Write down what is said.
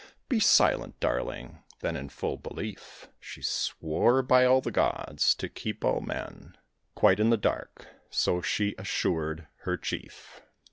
Be silent, darling." Then, in full belief, She swore by all the gods to keep all men Quite in the dark, so she assured her chief.